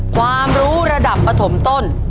ความรู้ระดับปฐมต้น